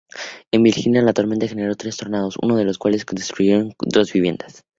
En Virginia, la tormenta generó tres tornados, uno de los cuales destruyeron dos viviendas.